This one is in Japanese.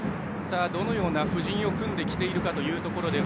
どのような布陣を組んできているかというところですが。